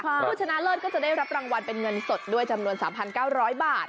ผู้ชนะเลิศก็จะได้รับรางวัลเป็นเงินสดด้วยจำนวน๓๙๐๐บาท